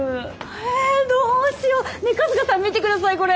えどうしようねえ春日さん見て下さいこれ！